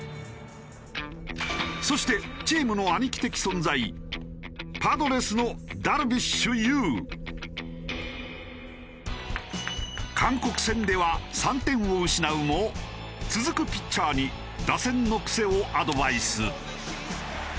そしてチームの韓国戦では３点を失うも続くピッチャーに打線の癖をアドバイス。